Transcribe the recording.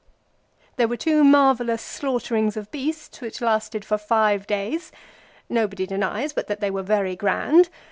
There were two marvellous slaughterings of beasts which lasted for five days. Nobody denies but that they were very grand.